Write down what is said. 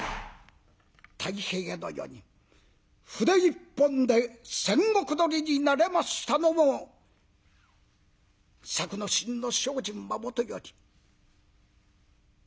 太平の世に筆一本で１，０００石取りになれましたのも作之進の精進はもとより和尚浜川先生